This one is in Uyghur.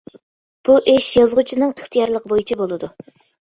بۇ ئىش يازغۇچىنىڭ ئىختىيارلىقى بويىچە بولىدۇ.